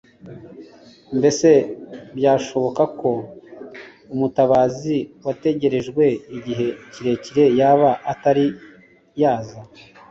Mbese byashoboka ko umutabazi wategerejwe igihe kirekire yaba atari yaza?